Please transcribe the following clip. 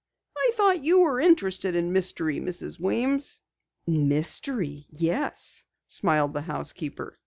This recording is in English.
"I thought you were interested in mystery, Mrs. Weems." "Mystery, yes," smiled the housekeeper.